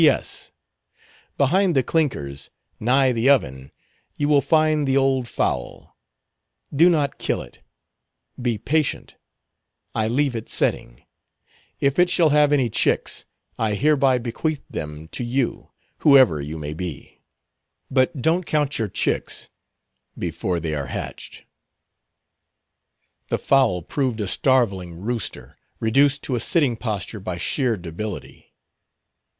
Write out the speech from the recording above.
"P.S.—Behind the clinkers, nigh the oven, you will find the old fowl. Do not kill it; be patient; I leave it setting; if it shall have any chicks, I hereby bequeath them to you, whoever you may be. But don't count your chicks before they are hatched." The fowl proved a starveling rooster, reduced to a sitting posture by sheer debility.